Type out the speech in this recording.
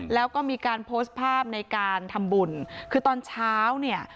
แล้วก็มีการโพสต์ภาพในการทำบุญคือตอนเช้าเนี่ย